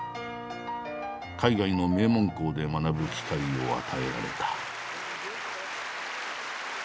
海外の名門校で学ぶ機会を与えられた。